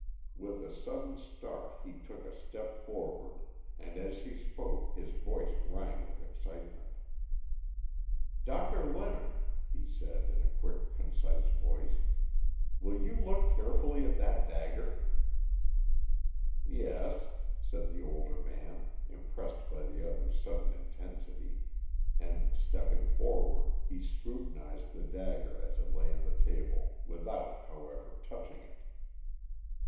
With a sudden start he took a step forward, and as he spoke his voice rang with excitement. "Doctor Leonard," he said, in a quick, concise voice, "will you look carefully at that dagger?" "Yes," said the older man, impressed by the other's sudden intensity; and, stepping forward, he scrutinized the dagger as it lay on the table, without, however, touching it.